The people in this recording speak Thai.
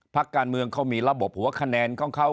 พักการเมืองเขามีระบบหัวคะแนนของเขา